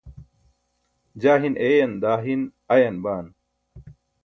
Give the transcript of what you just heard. jaa hin eeyan daa hin ayan baan